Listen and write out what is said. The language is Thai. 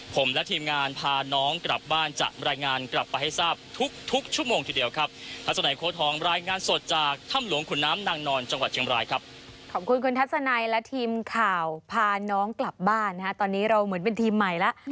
ขอบคุณคุณทัศนายและทีมข่าวพาน้องกลับบ้านตอนนี้เราเหมือนเป็นทีมใหม่ล่ะ